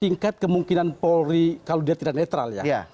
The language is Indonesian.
tingkat kemungkinan polri kalau dia tidak netral ya